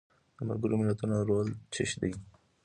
د ملګرو ملتونو رول څه دی؟